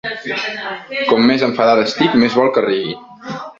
Com més enfadada estic més vol que rigui.